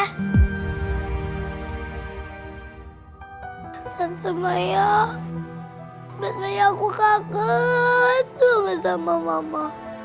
tante maya sebenarnya aku kaget tuh sama mama